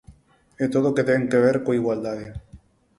E todo o que ten a ver coa igualdade.